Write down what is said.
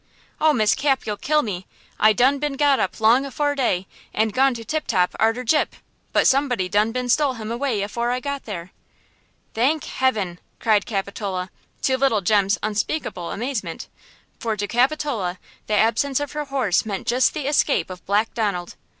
"Oh, Miss Cap, you'll kill me! I done been got up long afore day and gone to Tip Top arter Gyp, but somebody done been stole him away afore I got there!" "Thank heaven!" cried Capitola, to little Jem's unspeakable amazement. For to Capitola the absence of her horse meant just the escape of Black Donald!